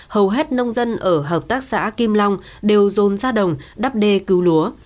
hầu hết nông dân ở hợp tác xã kim long đều rôn ra đồng đắp đê cứu lúa